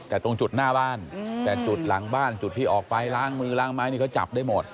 แต่ตรงจุดหน้าบ้านแต่จุดหลังบ้านจุดที่ออกไปล้างมือล้างไม้นี่เขาจับได้หมด